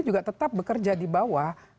juga tetap bekerja di bawah